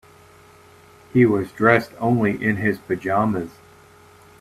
He was dressed only in his pajamas.